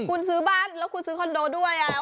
คุณซื้อบ้านแล้วคุณซื้อคอนโดด้วย